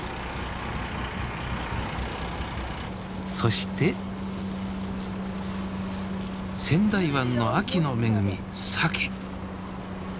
そして仙台湾の秋の恵みサケ。